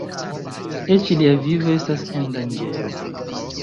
Eĉ lia vivo estas en danĝero.